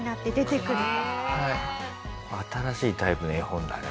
新しいタイプの絵本だね